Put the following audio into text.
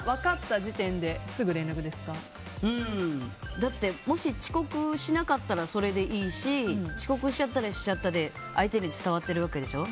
だってもし遅刻しなかったらそれでいいし遅刻しちゃったらしちゃってで相手に伝わっているわけでしょ。